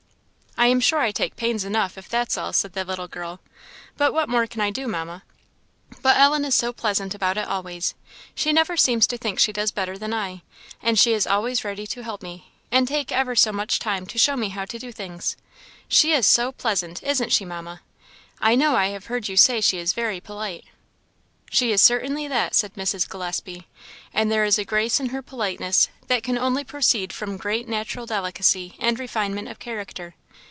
"I am sure I take pains enough, if that's all," said the little girl; "what more can I do, Mamma? But Ellen is so pleasant about it always; she never seems to think she does better than I; and she is always ready to help me, and take ever so much time to show me how to do things; she is so pleasant, isn't she, Mamma? I know I have heard you say she is very polite." "She is certainly that," said Mrs. Gillespie; "and there is a grace in her politeness that can only proceed from great natural delicacy and refinement of character.